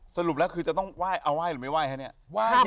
สรุปแล้วคือจะต้องว่ายเอาว่ายหรือไม่ว่ายฮะเนี่ย